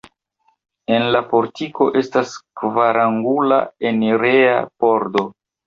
En la portiko estas kvarangula enireja pordo.